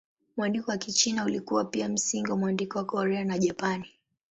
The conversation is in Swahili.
Mwandiko wa Kichina ulikuwa pia msingi wa mwandiko wa Korea na Japani.